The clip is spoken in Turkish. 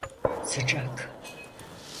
Sıcak!